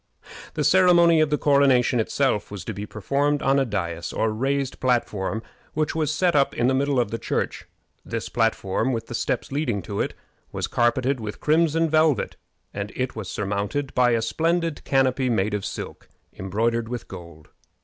The ceremony of the coronation itself was to be performed on a dais, or raised platform, which was set up in the middle of the church. This platform, with the steps leading to it, was carpeted with crimson velvet, and it was surmounted by a splendid canopy made of silk, embroidered with gold.